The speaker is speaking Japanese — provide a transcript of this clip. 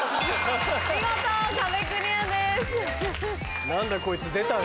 見事壁クリアです。